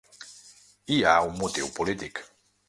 Hi ha un motiu polític.